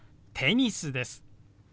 テニスです。